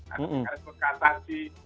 ada mekanisme katasi